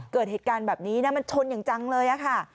เกิดเหตุการณ์แบบนี้นะมันชนอย่างจังเลยค่ะ